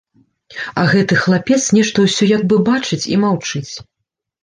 А гэты хлапец нешта ўсё як бы бачыць і маўчыць.